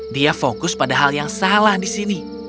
dia fokus pada hal yang salah di sini